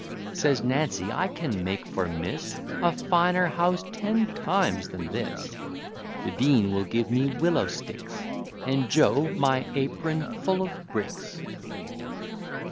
Says Nancy, I can make for miss A finer house ten times than this; The dean will give me willow sticks, And Joe my apron full of bricks.